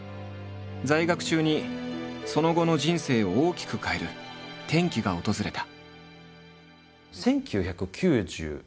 在学中にその後の人生を大きく変える転機が訪れた。